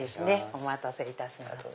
お待たせいたしました。